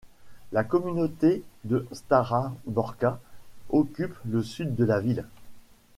La communauté de Stara Borča occupe le sud de la ville.